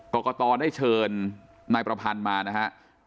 กรกตได้เชิญนายประพันธ์มานะฮะ